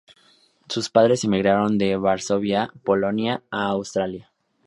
Sus padres emigraron de Varsovia, Polonia, a Australia.